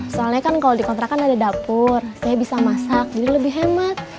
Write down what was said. soalnya kan kalau dikontrakan ada dapur saya bisa masak jadi lebih hemat